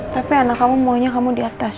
tapi anak kamu maunya kamu di atas